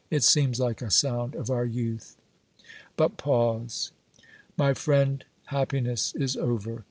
It seems like a sound of our youth. But pause. My friend, happiness is over.